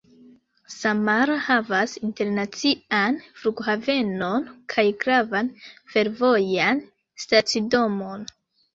Samara havas internacian flughavenon kaj gravan fervojan stacidomon.